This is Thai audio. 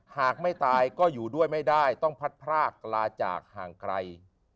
หากไม่ตายก็อยู่ด้วยไม่ได้ต้องพัดพรากลาจากห่างไกล